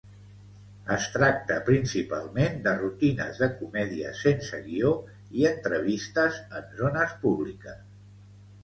Es tracta principalment de rutines de comèdies sense guió i entrevistes en zones públiques.